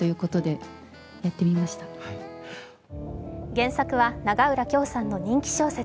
原作は長浦京さんの人気小説。